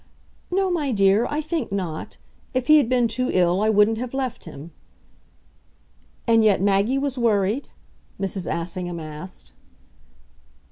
"No, my dear I think not. If he had been too ill I wouldn't have left him." "And yet Maggie was worried?" Mrs. Assingham asked.